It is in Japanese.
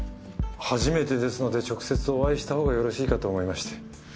初めてですので直接お会いしたほうがよろしいかと思いまして。